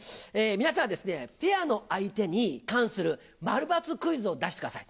皆さん、ペアの相手に関する〇×クイズを出してください。